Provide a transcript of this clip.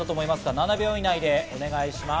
７秒以内でお願いします。